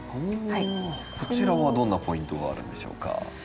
こちらはどんなポイントがあるんでしょうか？